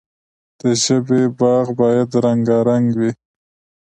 د ژبې باغ باید رنګارنګ وي.